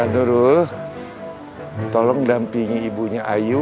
nurul tolong dampingi ibunya ayu